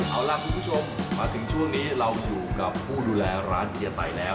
เอาล่ะคุณผู้ชมมาถึงช่วงนี้เราอยู่กับผู้ดูแลร้านเฮียไต่แล้ว